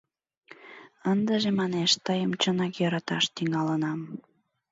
— Ындыже, манеш, тыйым чынак йӧраташ тӱҥалынам.